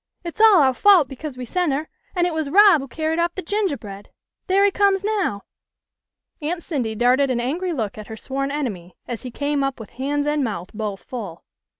" It's all ou' fault, because we sent her, and it was Rob who carried off the gingahbread. There he comes now." Aunt Cindy darted an angry look at her sworn enemy, as he came up with hands and mouth both full.